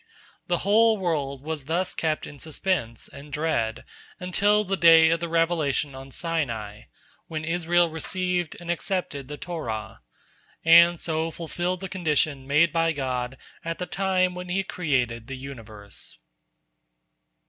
The whole world was thus kept in suspense and dread until the day of the revelation on Sinai, when Israel received and accepted the Torah, and so fulfilled the condition made by God at the time when He created the universe.